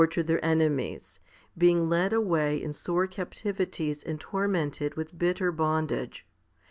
HOMILY XV 107 to their enemies, being led away in sore captivities and tormented with bitter bondage.